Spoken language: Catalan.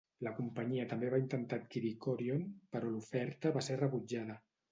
La companyia també va intentar adquirir Chorion, però l'oferta va ser rebutjada.